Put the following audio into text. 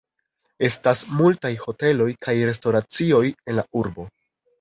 Estas multaj hoteloj kaj restoracioj en la urbo.